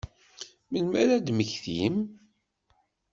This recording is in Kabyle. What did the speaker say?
Melmi ara ad temmektim?